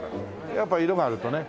やっぱり色があるとね。